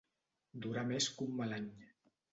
Durar més que un mal any.